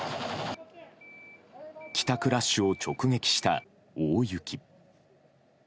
帰宅ラッシュを直撃した大雪。